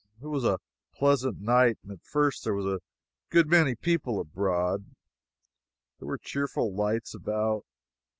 It was a pleasant night and at first there were a good many people abroad, and there were cheerful lights about.